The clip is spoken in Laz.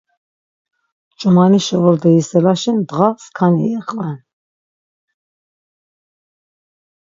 Ç̆umanişi ordo yiselaşi ndğa skani iqven.